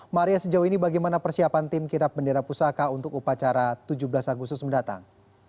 maria sejauh ini bagaimana persiapan tim kirap bendera pusaka untuk upacara tujuh belas agustus mendatang